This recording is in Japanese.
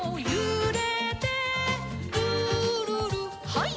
はい。